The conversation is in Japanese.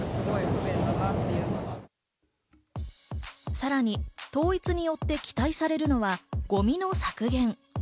さらに、統一によって期待されるのはゴミの削減。